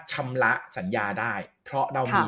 ชำระสัญญาได้เพราะเรามี